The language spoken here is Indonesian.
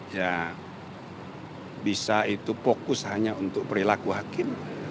ya bisa itu fokus hanya untuk perilaku hakim